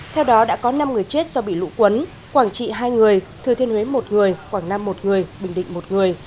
theo đó đã có năm người chết do bị lũ quấn quảng trị hai người thừa thiên huế một người quảng nam một người bình định một người